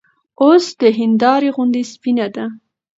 اوس د هېندارې غوندې سپينه ده